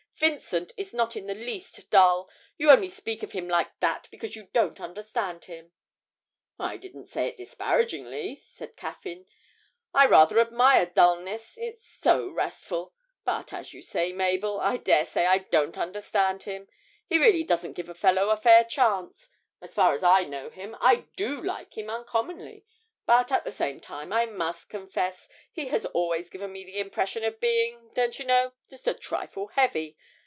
'Vincent is not in the least dull: you only speak of him like that because you don't understand him.' 'I didn't say it disparagingly,' said Caffyn. 'I rather admire dulness; it's so restful. But as you say, Mabel, I dare say I don't understand him: he really doesn't give a fellow a fair chance. As far as I know him, I do like him uncommonly; but, at the same time, I must confess he has always given me the impression of being, don't you know, just a trifle heavy.